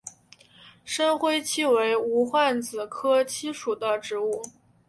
深灰槭为无患子科槭属的植物。